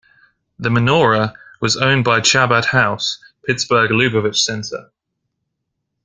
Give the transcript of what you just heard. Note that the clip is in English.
The menorah was owned by Chabad House, Pittsburgh's Lubavitch Center.